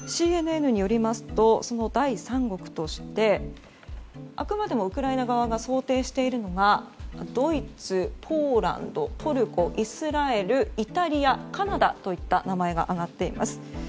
ＣＮＮによりますとその第三国としてあくまでもウクライナ側が想定しているのがドイツ、ポーランドトルコ、イスラエル、イタリアカナダといった名前が挙がっています。